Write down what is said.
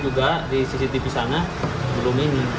juga di cctv sana sebelum ini